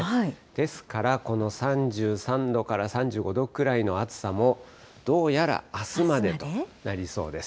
ですからこの３３度から３５度くらいの暑さもどうやらあすまでとなりそうです。